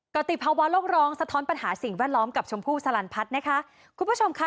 ติภาวะโลกร้องสะท้อนปัญหาสิ่งแวดล้อมกับชมพู่สลันพัฒน์นะคะคุณผู้ชมค่ะ